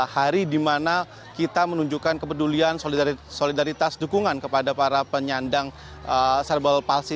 hari di mana kita menunjukkan kepedulian solidaritas dukungan kepada para penyandang cerebral palsy